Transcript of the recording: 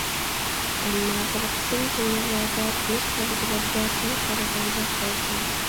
ئەمما بىر قىسىم جۈملىلەردە تىنىش بەلگىلىرىگە سەل قارىغاندەك قىلىسىز.